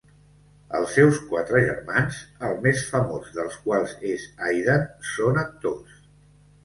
Els seus quatre germans, el més famós dels quals és Aidan, són actors.